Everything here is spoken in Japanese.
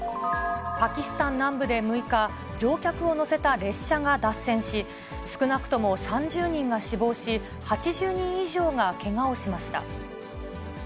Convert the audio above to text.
パキスタン南部で６日、乗客を乗せた列車が脱線し、少なくとも３０人が死亡し、８０人以上がけがをしました。